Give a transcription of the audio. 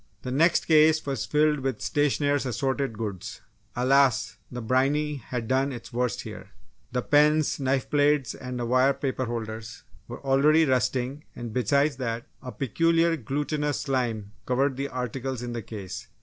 The next case was filled with stationers' assorted goods. Alas! the briny had done its worst here. The pens, knife blades and wire paper holders were already rusting and besides that a peculiar glutinous slime covered the articles in the case.